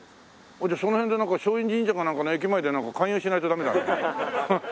じゃあその辺でなんか松陰神社かなんかの駅前で勧誘しないとダメだね。